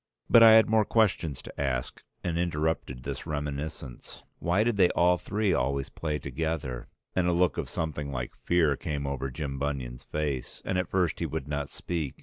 But I had more questions to ask and interrupted this reminiscence. Why did they all three always play together? And a look of something like fear came over Jim Bunion's face; and at first he would not speak.